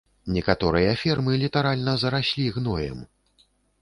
Некаторыя фермы літаральна зараслі гноем.